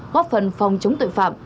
góp phần phòng chống tội phạm